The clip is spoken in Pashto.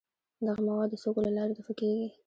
دغه مواد د سږو له لارې دفع کیږي.